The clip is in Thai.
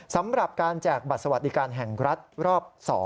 สำหรับการแจกบัตรสวัสดิการแห่งรัฐรอบ๒